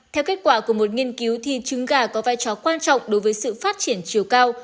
theo kết quả của một nghiên cứu thì trứng gà có vai trò quan trọng đối với sự phát triển chiều cao